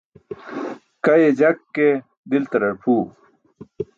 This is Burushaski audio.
Kaye jak ke, diltarar pʰuu.